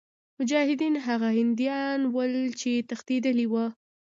مجاهدین هغه هندیان ول چې تښتېدلي وه.